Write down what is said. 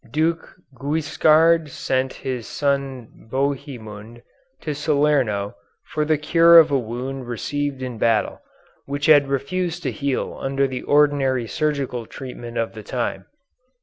Duke Guiscard sent his son Bohemund to Salerno for the cure of a wound received in battle, which had refused to heal under the ordinary surgical treatment of the time.